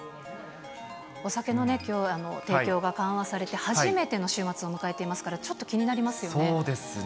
お酒の提供が緩和されて初めての週末を迎えていますから、ちょっと気になりますよね。